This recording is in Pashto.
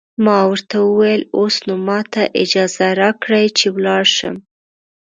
ما ورته وویل: اوس نو ماته اجازه راکړئ چې ولاړ شم.